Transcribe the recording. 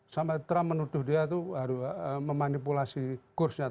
sampai trump menuduh dia itu memanipulasi kursnya